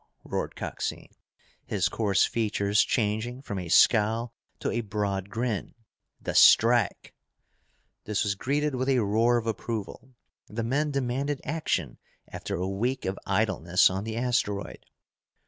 roared Coxine, his coarse features changing from a scowl to a broad grin. "The strike!" This was greeted with a roar of approval. The men demanded action after a week of idleness on the asteroid.